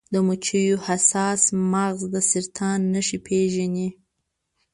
د مچیو حساس مغز د سرطان نښې پیژني.